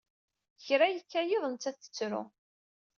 Kra yekka yiḍ nettat tettru.